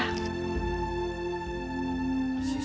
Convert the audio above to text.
kau harus sabar ratna